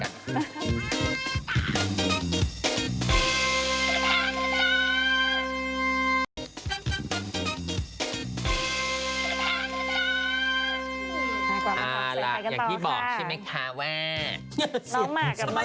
อ๋อล่ะอย่างที่บอกใช่ไหมคะว่าน้องหมากกับน้องครีมทำไมเสียงแหลม